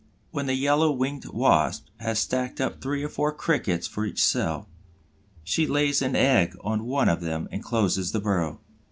When the Yellow winged Wasp has stacked up three or four Crickets for each cell, she lays an egg on one of them and closes the burrow.